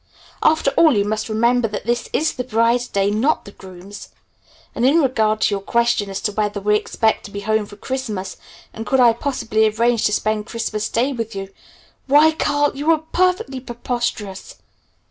After all you must remember that it is the bride's day, not the groom's. And in regard to your question as to whether we expect to be home for Christmas and could I possibly arrange to spend Christmas Day with you why, Carl, you are perfectly preposterous!